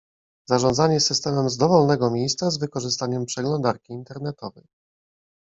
Zarządzanie systemem z dowolnego miejsca z wykorzystaniem przeglądarki internetowej